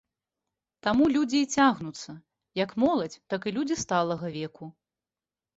Таму людзі і цягнуцца, як моладзь, так і людзі сталага веку.